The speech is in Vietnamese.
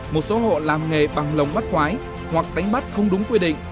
một số hộ làm nghề bằng lồng bắt khoái hoặc đánh bắt không đúng quy định